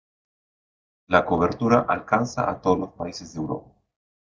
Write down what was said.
La cobertura alcanza a todos los países de Europa.